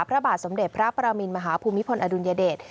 พระบาทสมเด็จพระประมินมหาภูมิพลอดุลยเดช